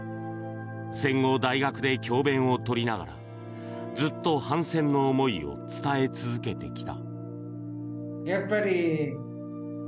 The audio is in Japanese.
戦後、大学で教べんを執りながらずっと反戦の思いを伝え続けてきた。